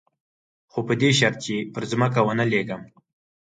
خو په دې شرط چې پر ځمکه ونه لېږم.